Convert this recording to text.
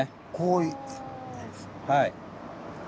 はい。